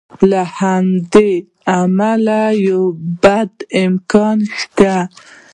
له همدې امله یو بد امکان شته.